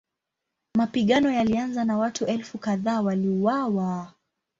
Mapigano yalianza na watu elfu kadhaa waliuawa.